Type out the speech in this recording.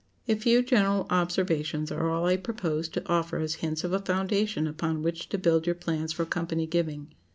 A few general observations are all I purpose to offer as hints of a foundation upon which to build your plans for "company giving."